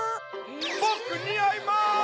ボクにあいます！